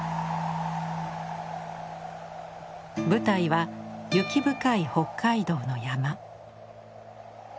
舞台は雪深い北海道の山。